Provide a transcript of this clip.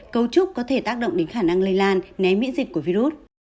cấu trúc có thể tác động đến khả năng lây lan né miễn dịch của virus